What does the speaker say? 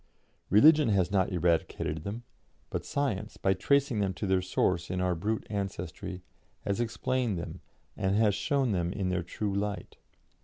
Religion has not eradicated them, but science, by tracing them to their source in our brute ancestry, has explained them and has shown them in their true light.